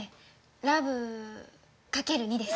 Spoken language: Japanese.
ラブかける２です。